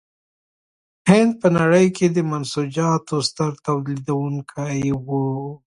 هند په نړۍ کې د منسوجاتو ستر تولیدوونکی و.